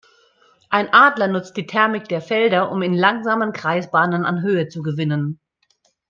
Ein Adler nutzt die Thermik der Felder, um in langsamen Kreisbahnen an Höhe zu gewinnen.